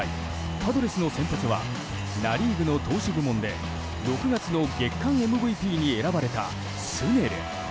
パドレスの先発はナ・リーグの投手部門で６月の月間ＭＶＰに選ばれたスネル。